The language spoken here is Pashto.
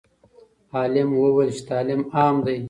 عالم وویل چې تعلیم عام دی.